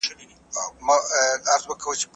څنګه پلاوی پر نورو هیوادونو اغیز کوي؟